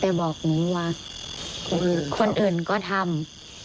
แต่บอกหนูว่าคนอื่นก็ทำ